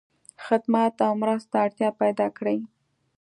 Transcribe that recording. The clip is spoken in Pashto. خدمت او مرستو ته اړتیا پیدا کړی.